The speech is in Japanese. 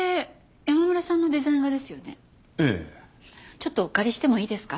ちょっとお借りしてもいいですか？